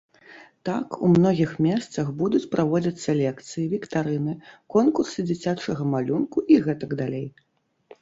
Так, у многіх месцах будуць праводзіцца лекцыі, віктарыны, конкурсы дзіцячага малюнку і гэтак далей.